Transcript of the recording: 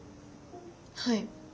はい。